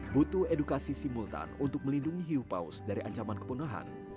butuh edukasi simultan untuk melindungi hiu paus dari ancaman kepunuhan